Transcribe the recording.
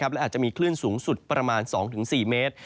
และอาจจะมีคลื่นสูงสุดประมาณ๒๔เมตร